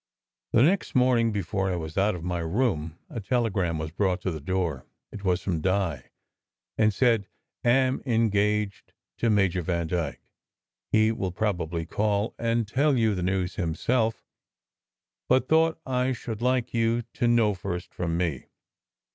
The next morning, before I was out of my room, a tele gram was brought to the door. It was from Di, and said, "Am engaged to Major Vandyke. He will probably call and tell you the news himself, but thought I should like you to know first from me.